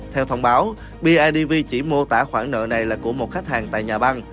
theo thông báo bidv chỉ mô tả khoản nợ này là của một khách hàng tại nhà băng